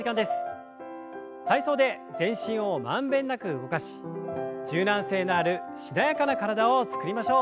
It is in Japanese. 体操で全身を満遍なく動かし柔軟性のあるしなやかな体を作りましょう。